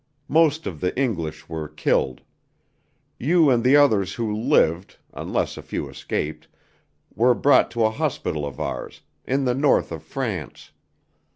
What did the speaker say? Most of the English were killed. You and the others who lived (unless a few escaped), were brought to a hospital of ours, in the north of France.